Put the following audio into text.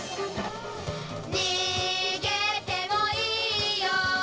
「にげてもいいよ